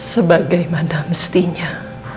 sebagai mana mestinya